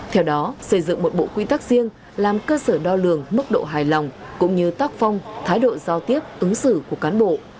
theo đó xây dựng một bộ quy tắc riêng làm cơ sở đo lường mức độ hài lòng cũng như tác phong thái độ giao tiếp ứng xử của cán bộ